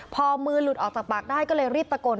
พอมือนายลุดออกจากปากก็เร็วรีบตะกญ